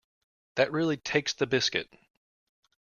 That really takes the biscuit